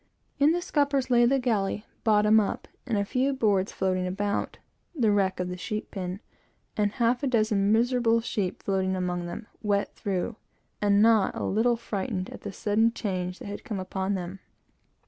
In the scuppers lay the galley, bottom up, and a few boards floating about, the wreck of the sheep pen, and half a dozen miserable sheep floating among them, wet through, and not a little frightened at the sudden change that had come upon them.